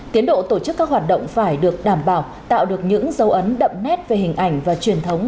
tiến độ tổ chức các hoạt động phải được đảm bảo tạo được những dấu ấn đậm nét về hình ảnh và truyền thống